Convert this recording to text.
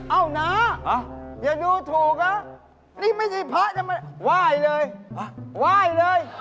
เอานะเดี๋ยวดูถูกละนี่ไม่ใช่พระทำไมว่ายเลยว่ายเลย